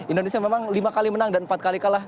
indonesia memang lima kali menang dan empat kali kalah